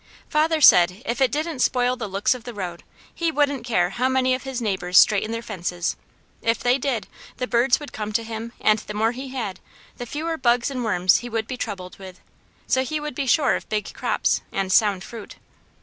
Father said if it didn't spoil the looks of the road, he wouldn't care how many of his neighbours straightened their fences. If they did, the birds would come to him, and the more he had, the fewer bugs and worms he would be troubled with, so he would be sure of big crops, and sound fruit.